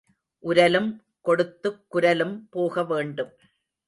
உரலும் கொடுத்துக் குரலும் போக வேண்டும்.